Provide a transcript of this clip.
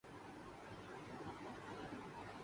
بھارت میں پہلے film museum کو عوام کے لیے کھول دیا گیا